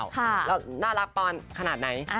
ค่ะแล้วน่ารักปังขนาดไหน